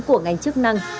của ngành chức năng